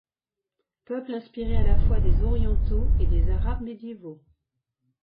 Peuple inspirés à la fois des orientaux et des arabes médiévaux.